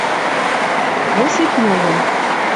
Осип йойын: